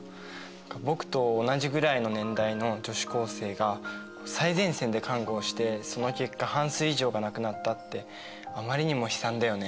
僕と同じぐらいの年代の女子高生が最前線で看護をしてその結果半数以上が亡くなったってあまりにも悲惨だよね。